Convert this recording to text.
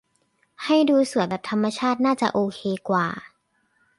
ให้ดูสวยแบบธรรมชาติน่าจะโอเคกว่า